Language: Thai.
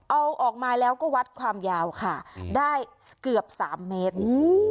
เอาออกมาแล้วก็วัดความยาวค่ะได้เกือบ๓เมตร